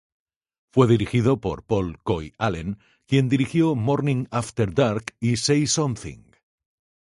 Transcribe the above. Fue dirigido por Paul "Coy" Allen, quien dirigió "Morning After Dark" y "Say Something".